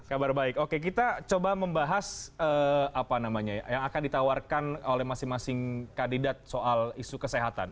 kabar baik oke kita coba membahas apa namanya ya yang akan ditawarkan oleh masing masing kandidat soal isu kesehatan